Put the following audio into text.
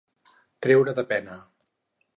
Treure de pena.